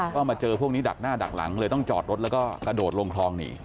ก็มาเจอพวกนี้ดักหน้าดักหลังเลยต้องจอดรถแล้วก็กระโดดลงคลองหนี